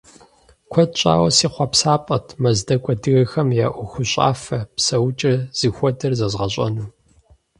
Куэд щӏауэ си хъуэпсапӏэт мэздэгу адыгэхэм я ӏуэхущӏафэ, псэукӏэр зыхуэдэр зэзгъэщӏэну.